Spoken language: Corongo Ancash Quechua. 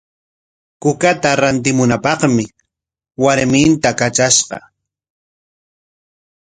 Kukata rantimunapaqmi warminta katrashqa.